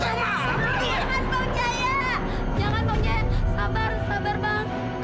jangan om jaya jangan om jaya sabar sabar bang